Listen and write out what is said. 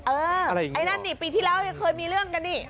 เออไอ้นั่นนี่ปีที่แล้วเคยมีเรื่องกันดิ